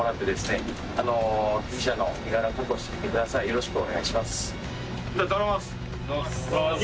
よろしくお願いします。